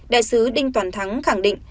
đại sứ đinh toàn thắng khẳng định